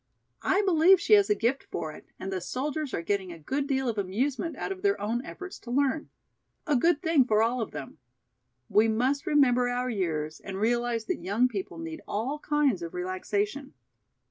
I believe she has a gift for it and the soldiers are getting a good deal of amusement out of their own efforts to learn. A good thing for all of them! We must remember our years and realize that young people need all kinds of relaxation."